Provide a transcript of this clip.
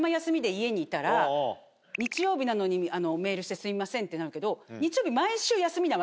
「日曜日なのにメールしてすみません」ってなるけど。